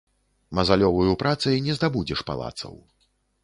Мазалёваю працай не здабудзеш палацаў